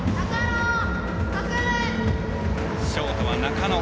ショートは中野。